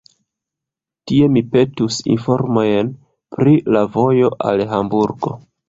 Tie mi petus informojn pri la vojo al Hamburgo.